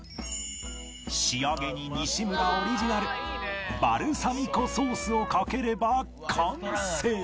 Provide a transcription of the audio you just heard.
仕上げに西村オリジナルバルサミコソースをかければ完成！